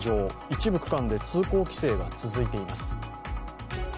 一部区間で通行規制が続いています。